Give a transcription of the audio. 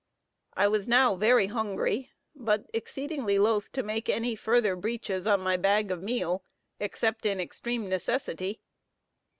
I was now very hungry, but exceedingly loath to make any further breaches on my bag of meal, except in extreme necessity.